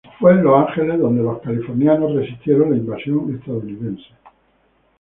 Fue en Los Ángeles donde los californianos resistieron la invasión estadounidense.